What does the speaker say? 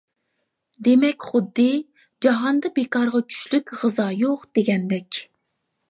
دېمەك خۇددى: «جاھاندا بىكارغا چۈشلۈك غىزا يوق» دېگەندەك.